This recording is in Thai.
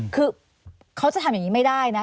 คือเขาจะทำอย่างนี้ไม่ได้นะ